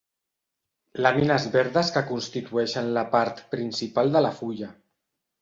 Làmines verdes que constitueixen la part principal de la fulla.